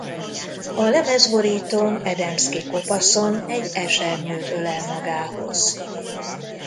A lemezborítón Adamski kopaszon egy esernyőt ölel magához.